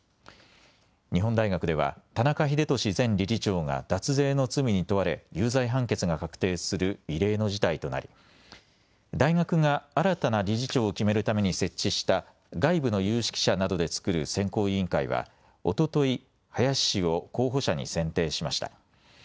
日本大学では田中英壽前理事長が脱税の罪に問われ有罪判決が確定する異例の事態となり大学が新たな理事長を決めるために設置した外部の有識者などで作る選考委員会はおととい林氏を候補者に選定しました。